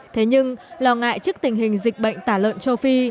thế nhưng lo ngại trước tình hình dịch bệnh tả lợn châu phi